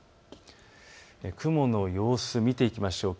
雲の様子を見ていきましょう。